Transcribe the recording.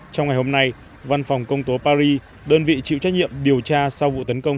trong ngày hôm nay văn phòng công tố paris đơn vị chịu trách nhiệm điều tra sau vụ tấn công